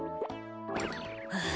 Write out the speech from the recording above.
はあ。